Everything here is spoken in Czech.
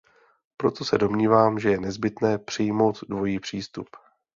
Proto se domnívám, že je nezbytné přijmout dvojí přístup.